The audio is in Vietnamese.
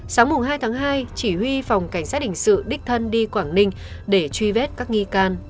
sáng hai tháng hai chỉ huy phòng cảnh sát hình sự đích thân đi quảng ninh để truy vết các nghi can